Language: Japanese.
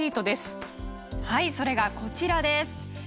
はいそれがこちらです。